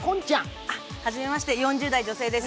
はじめまして、４０代女性です